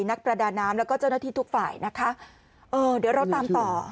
นักประดาน้ำแล้วก็เจ้าหน้าที่ทุกฝ่ายนะคะเออเดี๋ยวเราตามต่อ